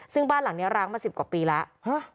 ซึ่งบ้านหลังนี้ร้างมา๑๐กว่าปีแล้ว